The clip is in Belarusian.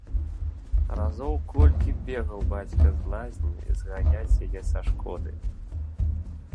Разоў колькі бегаў бацька з лазні зганяць яе са шкоды.